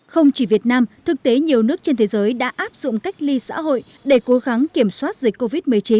không chỉ việt nam thực tế nhiều nước trên thế giới đã áp dụng cách ly xã hội để cố gắng kiểm soát dịch covid một mươi chín